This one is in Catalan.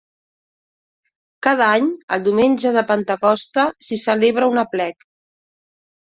Cada any, el diumenge de Pentecosta, s'hi celebra un aplec.